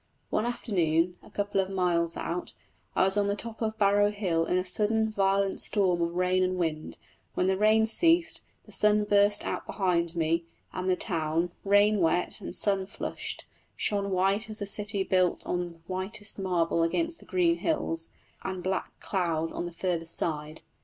One afternoon, a couple of miles out, I was on the top of Barrow Hill in a sudden, violent storm of rain and wind; when the rain ceased, the sun burst out behind me, and the town, rain wet and sun flushed, shone white as a city built of whitest marble against the green hills and black cloud on the farther side.